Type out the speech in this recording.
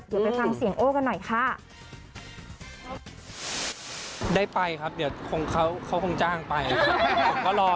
เดี๋ยวไปฟังเสียงโอ้กันหน่อยค่ะ